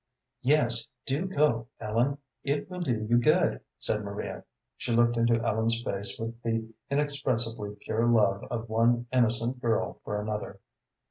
"Yes, do go, Ellen; it will do you good," said Maria. She looked into Ellen's face with the inexpressibly pure love of one innocent girl for another.